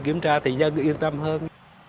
nếu kiểm tra thì dân yên tâm hơn